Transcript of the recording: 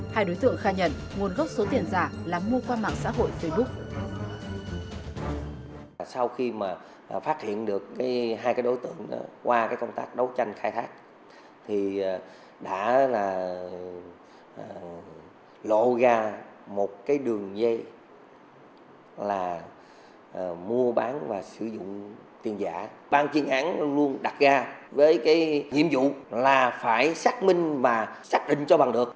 hai đối tượng khai nhận nguồn gốc số tiền giả là mua qua mạng xã hội facebook